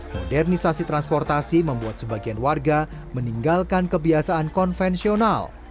modernisasi transportasi membuat sebagian warga meninggalkan kebiasaan konvensional